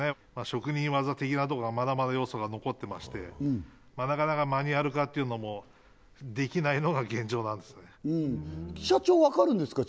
職人技的なとこがまだまだ要素が残ってましてなかなかマニュアル化っていうのもできないのが現状なんですね社長分かるんですか？